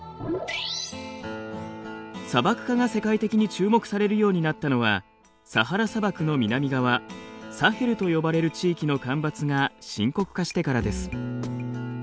砂漠化が世界的に注目されるようになったのはサハラ砂漠の南側サヘルと呼ばれる地域の干ばつが深刻化してからです。